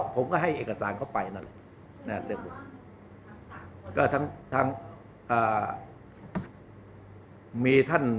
ผมก็ให้เอกสารเขาไป